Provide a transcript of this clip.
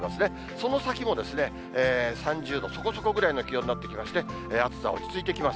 その先も３０度そこそこぐらいの気温になってきまして、暑さ落ち着いてきます。